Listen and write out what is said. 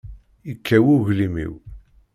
Yekkaw uglim-iw.